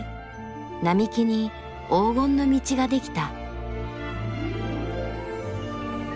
並木に黄金の道が出来た。